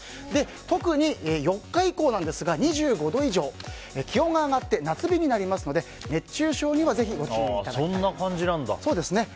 特に４日以降なんですが２５度以上気温が上がって夏日になりますので熱中症にはぜひご注意いただきたいです。